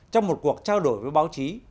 trong một cuộc trao đổi với báo chí